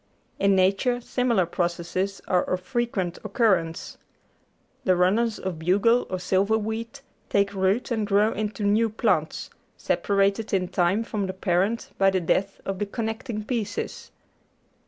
In nature similar processes are of frequent occurrence. The runners of bugle or silverweed take root and grow into new plants, separated in time from the parent by the death of the connecting pieces.